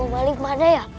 aduh bu halimah ada ya